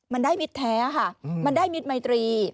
มันได้มิตรแท้ค่ะมันได้มิตรมัยตรี